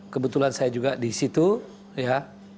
kebetulan saya juga di situ ya